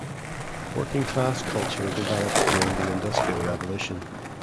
Working-class culture developed during the Industrial Revolution.